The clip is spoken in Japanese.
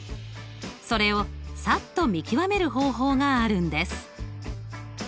それをさっと見極める方法があるんです。